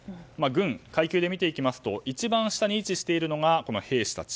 軍、階級で見ていきますと一番下に位置しているのが兵士たち。